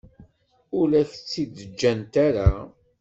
Ur ak-tt-id-ǧǧant ara.